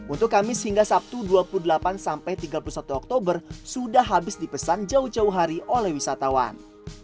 untuk kamis hingga sabtu dua puluh delapan sampai tiga puluh satu oktober sudah habis dipesan jauh jauh hari oleh wisatawan